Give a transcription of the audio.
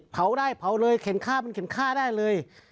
เผาได้เผาเลยเข็นค่ามันเข็นค่าได้เลย